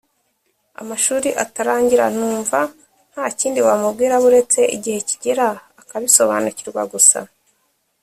amashuri atarangira numva nta kindi wamubwira buretse igihe kigera akabisobanukirwa gusa